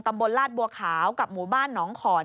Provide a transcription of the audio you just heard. ลาดบัวขาวกับหมู่บ้านหนองขอน